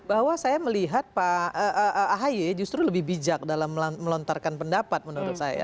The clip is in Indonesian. bahwa saya melihat pak ahaye justru lebih bijak dalam melontarkan pendapat menurut saya